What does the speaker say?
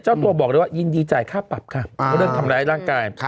เจ้าตัวบอกเลยว่ายินดีจ่ายค่าปรับค่ะเรื่องทำร้ายร่างกาย